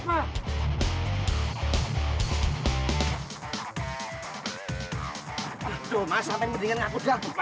aduh masa pengen mendingan aku dah